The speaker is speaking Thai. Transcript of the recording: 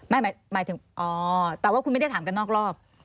หมายถึงอ๋อแต่ว่าคุณไม่ได้ถามกันนอกรอบ